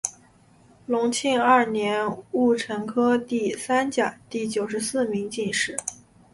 隆庆二年戊辰科第三甲第九十四名进士。